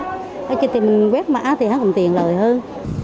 thế chứ tìm quét mã thì hát không tiền lợi hơn